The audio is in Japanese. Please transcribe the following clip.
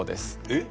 えっ？